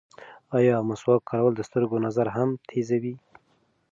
ایا مسواک کارول د سترګو نظر هم تېروي؟